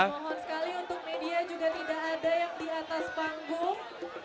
mohon sekali untuk media juga tidak ada yang di atas panggung